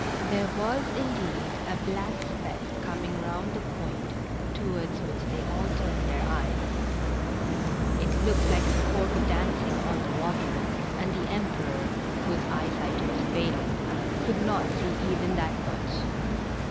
There was, indeed, a black speck coming round the point, towards which they all turned their eyes. It THE STRANGE CATCH. 209 looked like a cork dancing on the water, and the Em peror, whose eyesight was failing, could not see even that much.